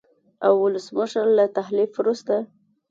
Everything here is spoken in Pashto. او ولسمشر له تحلیف وروسته